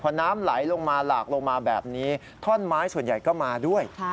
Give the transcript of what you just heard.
พอน้ำไหลลงมาหลากลงมาแบบนี้ท่อนไม้ส่วนใหญ่ก็มาด้วย